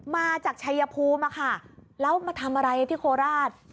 มาจากชัยภูมิอะค่ะแล้วมาทำอะไรที่โคราช